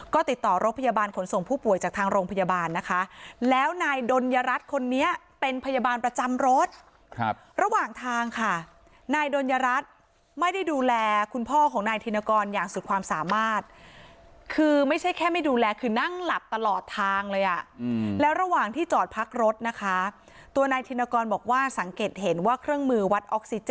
ก็ติดต่อรถพยาบาลขนส่งผู้ป่วยจากทางโรงพยาบาลนะคะแล้วนายดนยรัฐคนนี้เป็นพยาบาลประจำรถครับระหว่างทางค่ะนายดนยรัฐไม่ได้ดูแลคุณพ่อของนายธินกรอย่างสุดความสามารถคือไม่ใช่แค่ไม่ดูแลคือนั่งหลับตลอดทางเลยอ่ะแล้วระหว่างที่จอดพักรถนะคะตัวนายธินกรบอกว่าสังเกตเห็นว่าเครื่องมือวัดออกซิเจ